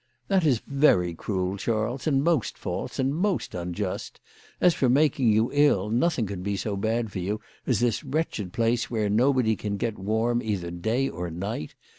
" That is very cruel, Charles, and most false, and most unjust. As for making you ill, nothing could be so bad for you as this wretched place, where nobody can get warm either day or night.